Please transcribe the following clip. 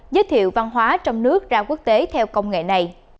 giới thiệu văn hóa trong nước ra quốc tế theo công nghệ này